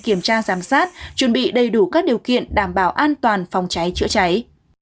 kiểm tra giám sát chuẩn bị đầy đủ các điều kiện đảm bảo an toàn phòng cháy chữa cháy